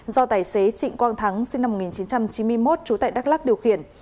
do tài xế trịnh quang thắng sinh năm một nghìn chín trăm chín mươi một trú tại đắk lắc điều khiển